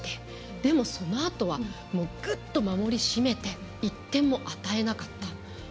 でも、そのあとはグッと守りを締めて１点も与えなかった。